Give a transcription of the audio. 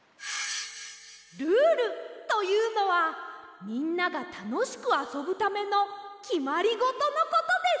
「ルール」というのはみんながたのしくあそぶためのきまりごとのことです！